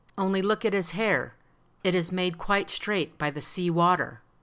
"Only look at his hair; it is made quite straight by the sea water!"